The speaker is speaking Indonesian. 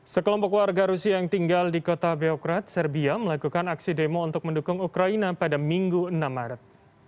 sekelompok warga rusia yang tinggal di kota beokrat serbia melakukan aksi demo untuk mendukung ukraina pada minggu enam maret